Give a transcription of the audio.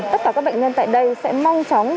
tất cả các bệnh nhân tại đây sẽ mau chóng